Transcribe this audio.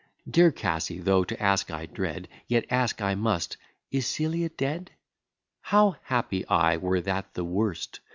Dear Cassy, though to ask I dread, Yet ask I must is Celia dead? How happy I, were that the worst!